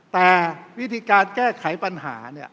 แต่วิธีการแก้ไขปัญหาเนี่ย